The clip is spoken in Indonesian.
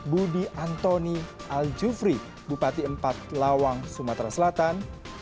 budi antoni aljufri bupati empat lawang sumatera selatan